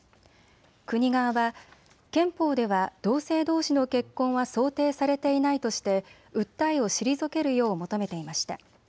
国側は憲法では同性どうしの結婚は想定されていないとして訴えを退けるよう求めていました。